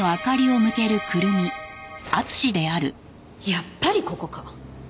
やっぱりここか。